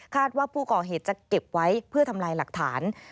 ว่าผู้ก่อเหตุจะเก็บไว้เพื่อทำลายหลักฐาน